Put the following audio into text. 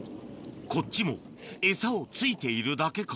こっちもエサをついているだけか？